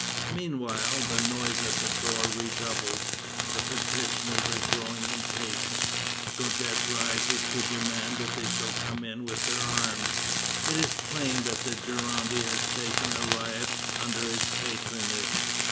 Meanwhile, the noise at the door redoubles; the petitioners are growing impatient. Guadet rises to demand that they shall come in with their arms. It is plain that the Gironde has taken the riot under its patronage.